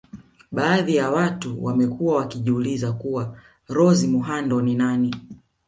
Baadhi ya watu wamekuwa wakijiuliza kuwa Rose muhando ni nani